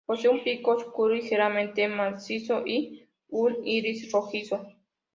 Posee un pico oscuro y ligeramente macizo, y un iris rojizo.